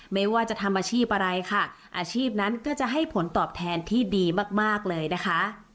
ไม่ว่าจะทำอาชีพอะไรค่ะอาชีพนั้นก็จะให้ผลตอบแทนที่ดีมากเลยนะคะ